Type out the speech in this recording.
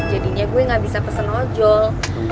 jadinya gue gak bisa pesen ojol